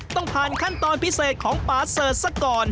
ต้องผ่านขั้นตอนพิเศษของป่าเสิร์ชซะก่อน